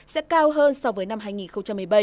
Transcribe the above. sẽ cao hơn so với năm hai nghìn một mươi bảy